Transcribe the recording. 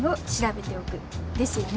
ですよね！